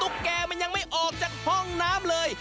ตุ๊กแกเขายังไม่ออกจากห้องน้ำเลย